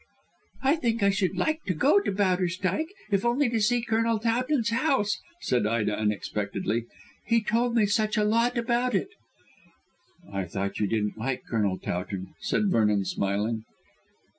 "I think I should like to go to Bowderstyke, if only to see Colonel Towton's house," said Ida unexpectedly; "He told me such a lot about it." "I thought you didn't like Colonel Towton?" said Vernon smiling.